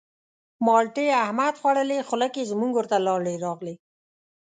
مالټې احمد خوړلې خوله کې زموږ ورته لاړې راغلې.